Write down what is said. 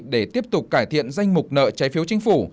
để tiếp tục cải thiện danh mục nợ trái phiếu chính phủ